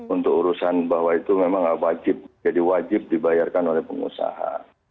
untuk urusan bahwa itu memang nggak wajib jadi wajib dibayarkan oleh pengusaha